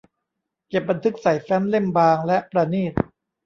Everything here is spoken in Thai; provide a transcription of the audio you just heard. เก็บบันทึกใส่แฟ้มเล่มบางและประณีต